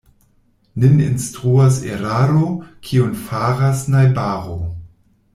Nin instruas eraro, kiun faras najbaro.